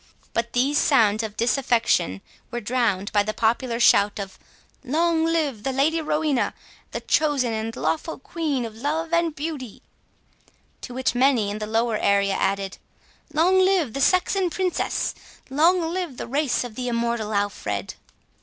But these sounds of disaffection were drowned by the popular shout of "Long live the Lady Rowena, the chosen and lawful Queen of Love and of Beauty!" To which many in the lower area added, "Long live the Saxon Princess! long live the race of the immortal Alfred!"